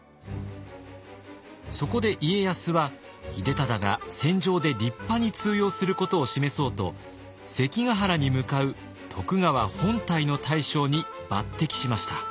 そこで家康は秀忠が戦場で立派に通用することを示そうと関ヶ原に向かう徳川本隊の大将に抜擢しました。